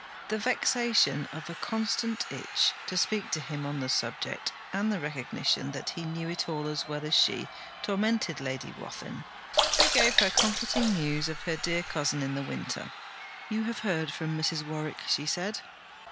The vexation of a constant itch to speak to him on the subject, and the recognition, that he knew it all as well as she, tormented Lady Wathin. He gave her comforting news of her dear cousin in the Winter. 'You have heard from Mrs. Warwick?' she said.